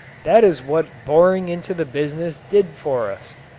That is what boring into the business did for us!